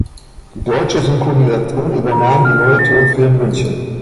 Die deutsche Synchronisation übernahm die Neue Tonfilm München.